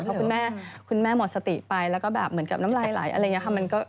เพราะคุณแม่คุณแม่หมดสติไปแล้วก็แบบเหมือนกับน้ำลายไหลอะไรอย่างนี้ค่ะ